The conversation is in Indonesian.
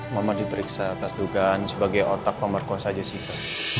mama diperiksa atas dugaan sebagai otak pemerkosa jessica